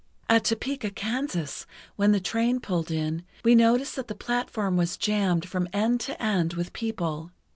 ... At Topeka, Kansas, when the train pulled in, we noticed that the platform was jammed from end to end with people.